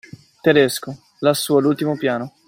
Tedesco, lassú all’ultimo piano.